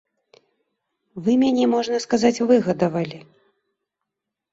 Вы мяне, можна сказаць, выгадавалі.